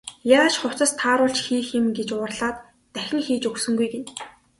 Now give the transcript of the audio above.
Яаж хувцас тааруулж хийх юм гэж уурлаад дахин хийж өгсөнгүй гэнэ.